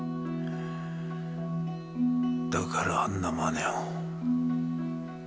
だからあんな真似を。